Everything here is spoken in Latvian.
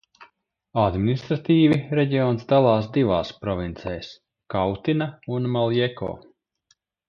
Administratīvi reģions dalās divās provincēs – Kautina un Maljeko.